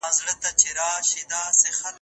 سهار د نوي کارونو زیری ورکړ.